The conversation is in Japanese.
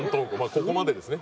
ここまでですね。